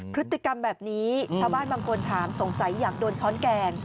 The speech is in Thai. พฤติกรรมแบบนี้ชาวบ้านบางคนถามสงสัยอยากโดนช้อนแกง